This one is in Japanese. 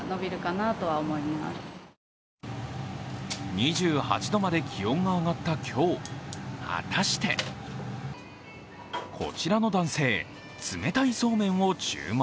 ２８度まで気温が上がった今日、果たしてこちらの男性冷たいそうめんを注文。